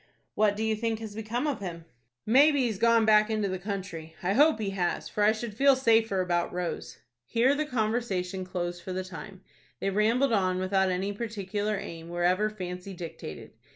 "What do you think has become of him?" "Maybe he has gone back into the country. I hope he has, for I should feel safer about Rose." Here the conversation closed for the time. They rambled on without any particular aim, wherever fancy dictated.